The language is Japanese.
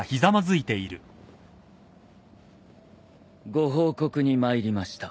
ご報告に参りました。